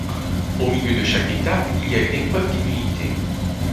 Au milieu de chaque étape, il y a une épreuve d'immunité.